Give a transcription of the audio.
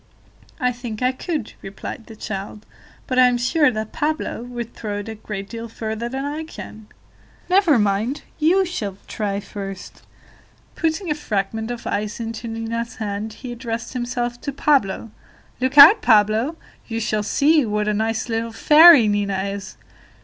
"I think I could," replied the child, "but I am sure that Pablo would throw it a great deal further than I can." "Never mind, you shall try first." Putting a fragment of ice into Nina's hand, he addressed himself to Pablo: "Look out, Pablo; you shall see what a nice little fairy Nina is!